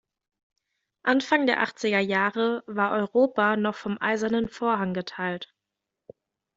Anfang der achtziger Jahre war Europa noch vom eisernen Vorhang geteilt.